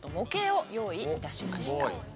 を用意いたしました。